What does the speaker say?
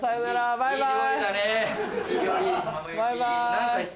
バイバイ。